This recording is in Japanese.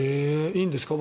いいんですか？